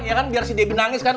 ya kan biar si debi nangis kan